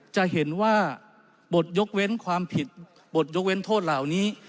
จะเห็นว่าบทยกเว้นความผิดบทยกเว้นโทษเหล่านี้